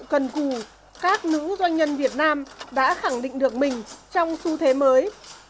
cần cù các nữ doanh nhân việt nam đã khẳng định được mình trong xu thế mới